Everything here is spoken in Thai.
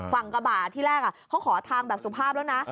กระบาดที่แรกเขาขอทางแบบสุภาพแล้วนะ